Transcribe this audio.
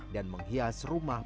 dan menghias rumah betang